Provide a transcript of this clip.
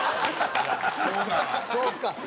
そうか。